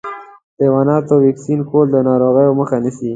د حیواناتو واکسین کول د ناروغیو مخه نیسي.